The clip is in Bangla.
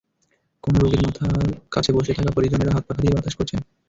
কোনো রোগীর মাথার কাছে বসে থাকা পরিজনেরা হাতপাখা দিয়ে বাতাস করছেন।